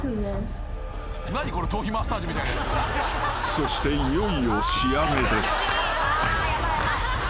［そしていよいよ仕上げです］